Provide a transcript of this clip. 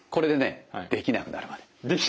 できなくなるまで？